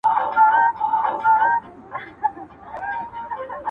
• تدبیر وتړي بارونه ځي د وړاندي -